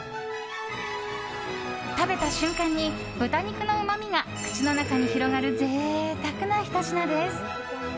食べた瞬間に豚肉のうまみが口の中に広がるぜいたくなひと品です。